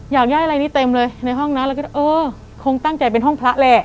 อยากย่ายอะไรนี้เต็มเลยในห้องนั้นเราก็คิดเออคงตั้งใจเป็นห้องพระแหละค่ะ